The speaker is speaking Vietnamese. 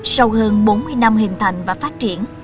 sau hơn bốn mươi năm hình thành và phát triển